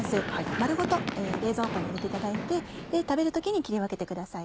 丸ごと冷蔵庫に入れていただいて食べる時に切り分けてください。